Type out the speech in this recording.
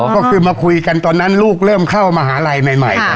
ก็คือมาคุยกันตอนนั้นลูกเริ่มเข้ามหาลัยใหม่